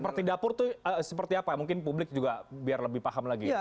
seperti dapur itu seperti apa mungkin publik juga biar lebih paham lagi